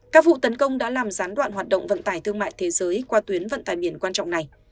các vụ tấn công đã làm gián đoạn hoạt động vận tải thương mại thế giới qua tuyến vận tải biển quan trọng này